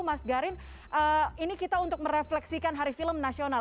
mas garin ini kita untuk merefleksikan hari film nasional